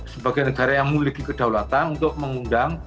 sebagai negara yang memiliki kedaulatan untuk mengundang